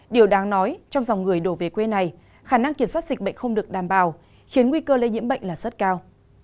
điều đáng nói trong dòng người đổ về quê này khả năng kiểm soát dịch bệnh không được đảm bảo khiến nguy cơ lây nhiễm bệnh là rất cao